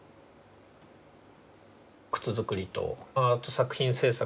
靴作りとアート作品制作。